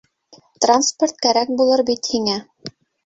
Транспорт кәрәк булыр бит һиңә.